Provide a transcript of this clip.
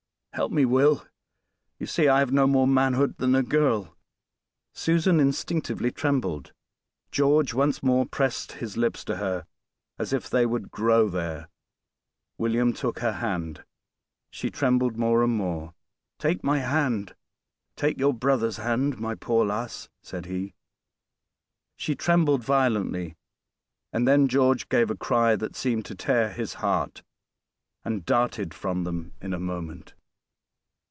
"Help me, Will! you see I have no more manhood than a girl." Susan instinctively trembled. George once more pressed his lips to her, as if they would grow there. William took her hand. She trembled more and more. "Take my hand; take your brother's hand, my poor lass," said he. She trembled violently; and then George gave a cry that seemed to tear his heart, and darted from them in a moment.